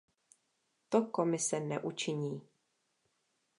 To Komise neučiní.